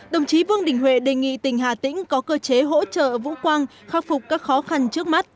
đồng chí vương đình huệ đề nghị tỉnh hà tĩnh có cơ chế hỗ trợ vũ quang khắc phục các khó khăn trước mắt